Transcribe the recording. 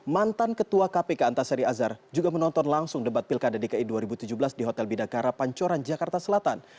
mantan ketua kpk antasari azhar juga menonton langsung debat pilkada dki dua ribu tujuh belas di hotel bidakara pancoran jakarta selatan